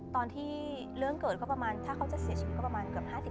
ตอนที่เรื่องเกิดก็ประมาณถ้าเขาจะเสียชีวิตก็ประมาณเกือบ๕๐